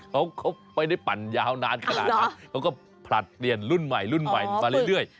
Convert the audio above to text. เขาไม่ได้ปั่นยาวนานขนาดนั้นเขาก็ผลัดเปลี่ยนรุ่นใหม่รุ่นใหม่มาเรื่อย